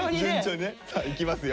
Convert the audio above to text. さあいきますよ。